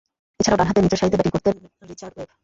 এছাড়াও, ডানহাতে নিচেরসারিতে ব্যাটিং করতেন রিচার্ড ওয়েব।